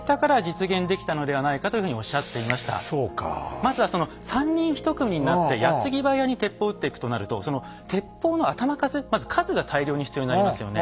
まずはその３人１組になって矢継ぎ早に鉄砲を撃っていくとなるとまず数が大量に必要になりますよね。